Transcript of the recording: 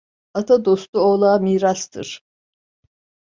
Ata dostu oğla mirastır.